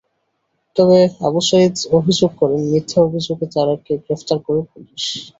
তবে আবু সাঈদ অভিযোগ করেন, মিথ্যা অভিযোগে তাঁকে গ্রেপ্তার করে পুলিশ।